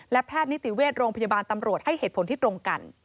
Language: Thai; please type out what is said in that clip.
และแพทย์นิติเวชโรงพยาบาลตำรวจให้เหตุผลที่ตรงกัน